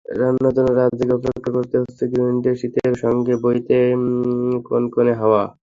রান্নার জন্য রাত জেগে অপেক্ষা করতে হচ্ছে গৃহিণীদেরশীতশীতের সঙ্গে বইছে কনকনে হাওয়া।